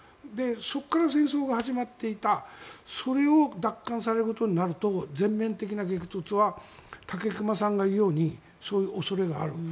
そこから戦争が始まっていたそれを奪還されることになると全面的な激突は武隈さんが言うようにそういう恐れがある。